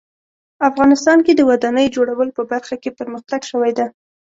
افغانستان کې د ودانیو جوړولو په برخه کې پرمختګ شوی ده